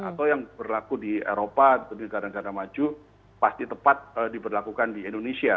atau yang berlaku di eropa atau negara negara maju pasti tepat diberlakukan di indonesia